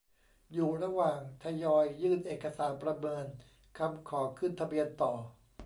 อยู่ระหว่างทยอยยื่นเอกสารประเมินคำขอขึ้นทะเบียนต่อ